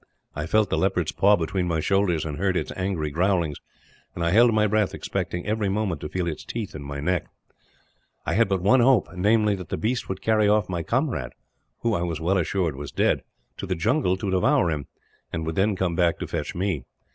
I felt the leopard's paw between my shoulders, and heard its angry growlings; and I held my breath, expecting every moment to feel its teeth in my neck. "I had but one hope, namely, that the beast would carry off my comrade who, I was well assured, was dead to the jungle to devour him, and would then come back to fetch me.